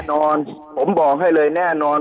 นอนผมบอกให้เลยแน่นอน